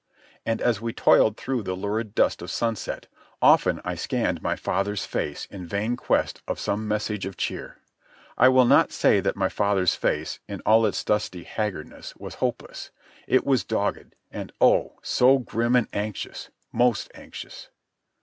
And as we toiled through the lurid dust of sunset often I scanned my father's face in vain quest of some message of cheer. I will not say that my father's face, in all its dusty haggardness, was hopeless. It was dogged, and oh! so grim and anxious, most anxious.